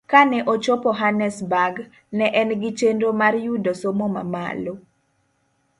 Kane ochopo Hannesburg, ne en gi chenro mar yudo somo mamalo.